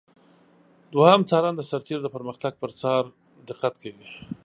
دوهم څارن د سرتیرو د پرمختګ پر څار دقت کوي.